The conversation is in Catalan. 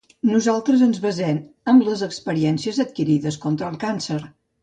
Nosaltres ens basem en les experiències adquirides contra el càncer.